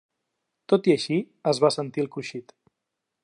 Tot i així, es va sentir el cruixit.